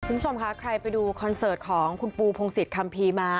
คุณผู้ชมคะใครไปดูคอนเสิร์ตของคุณปูพงศิษยคัมภีร์มา